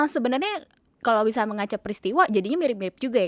sebenarnya kalau bisa mengacau peristiwa jadinya mirip mirip juga ya